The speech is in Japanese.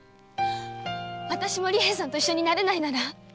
あたしも利平さんと一緒になれないなら